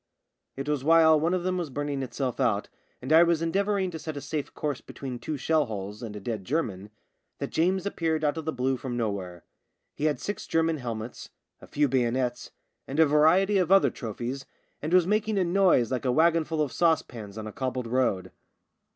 It was while one of them was burning itself out, and I was endeavouring to set a safe course between two shell holes and a dead German, that James appeared out of the blue from nowhere. He had six German helmets, a few bayonets, and a variety of other trophies, and was making a noise like a wagonful of saucepans on a cobbled road.